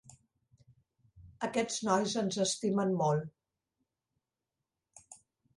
Aquests nois ens estimen molt.